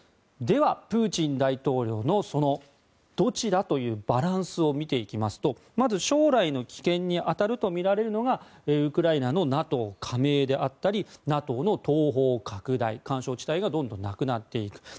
では、プーチン大統領のどちら？というバランスを見ていきますとまず将来の危険に当たるとみられるのがウクライナのＮＡＴＯ加盟であったりＮＡＴＯの東方拡大緩衝地帯がどんどんなくなっていく。